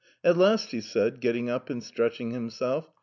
At last! " he said, getting up and stretching him self.